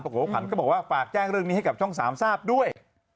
โขขวัญก็บอกว่าฝากแจ้งเรื่องนี้ให้กับช่อง๓ทราบด้วย